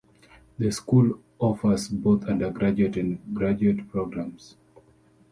The school offers both undergraduate and graduate programs.